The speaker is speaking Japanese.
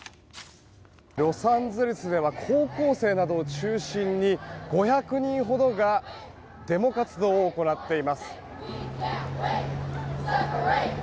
ロサンゼルスでは高校生などを中心に５００人ほどがデモ活動を行っています。